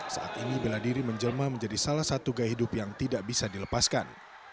saat ini bela diri menjelma menjadi salah satu gaya hidup yang tidak bisa dilepaskan